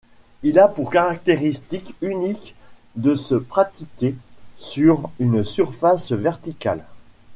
Il a pour caractéristique unique de se pratiquer sur une surface verticale.